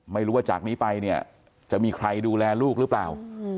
ไม่รู้ว่าจากนี้ไปเนี่ยจะมีใครดูแลลูกหรือเปล่า